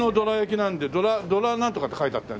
なんとかって書いてあったよね？